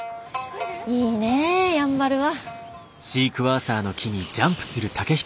いいねやんばるは。